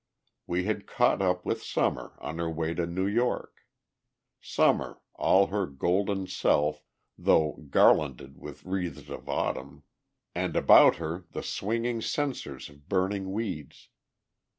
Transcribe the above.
We had caught up with Summer on her way to New York, Summer all her golden self, though garlanded with wreaths of Autumn, and about her the swinging censers of burning weeds.